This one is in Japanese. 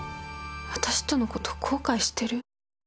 私とのこと、後悔してる？